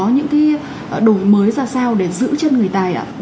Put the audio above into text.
những cái đổi mới ra sao để giữ chân người tài ạ